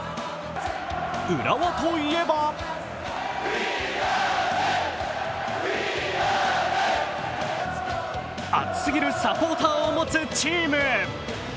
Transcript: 浦和といえば熱すぎるサポーターを持つチーム。